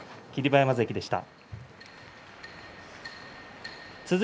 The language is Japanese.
馬山関でした。